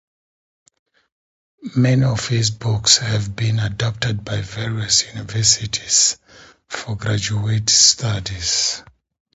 Many of his books have been adopted by various universities for graduate studies.